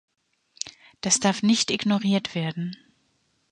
Das darf nicht ignoriert werden.